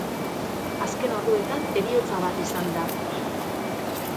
Azken orduetan heriotza bat izan da.